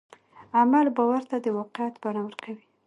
عمل باور ته د واقعیت بڼه ورکوي.